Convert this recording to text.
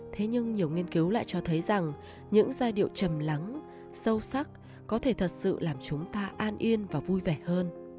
thế nhưng nhiều nghiên cứu lại cho thấy rằng những giai điệu trầm lắng sâu sắc có thể thật sự giúp đỡ